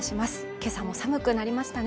今朝も寒くなりましたね